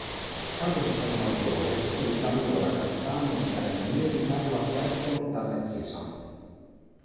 Capo di stato maggiore fu l'allora capitano dei carabinieri Carlo Alberto Dalla Chiesa.